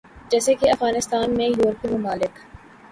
جیسے کے افغانستان میں یورپی ممالک